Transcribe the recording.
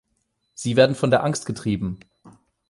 Sie werden von der Angst getrieben!